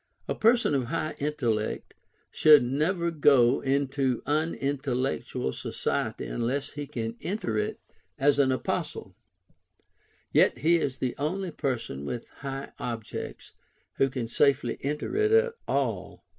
A person of high intellect should never go into unintellectual society unless he can enter it as an apostle; yet he is the only person with high objects who can safely enter it at all.